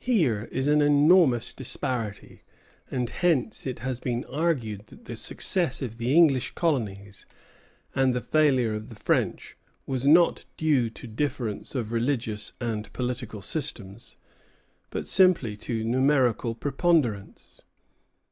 Here is an enormous disparity; and hence it has been argued that the success of the English colonies and the failure of the French was not due to difference of religious and political systems, but simply to numerical preponderance.